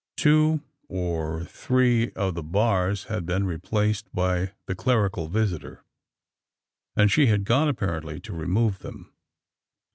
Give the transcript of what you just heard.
Two or, three of the bars had been replaced by the clerical visitor; and she had gone, apparently, to remove them.